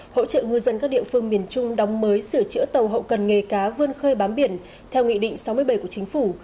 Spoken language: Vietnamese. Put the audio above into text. hỗ trợ ngư dân các địa phương miền trung đóng mới sửa chữa tàu hậu cần nghề cá vươn khơi bám biển theo nghị định sáu mươi bảy của chính phủ